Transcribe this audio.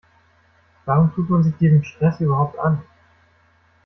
Warum tut man sich diesen Stress überhaupt an?